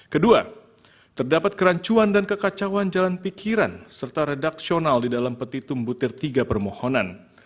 kedua terdapat kerancuan dan kekacauan jalan pikiran serta redaksional di dalam petitum butir tiga permohonan